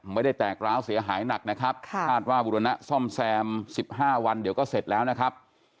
ไม่ได้แตกร้าวเสียหายหนักนะครับคาดว่าบุรณะซ่อมแซม๑๕วันเดี๋ยวก็เสร็จแล้วนะครับ